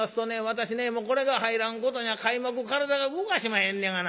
私ねこれが入らんことには皆目体が動かしまへんねがな。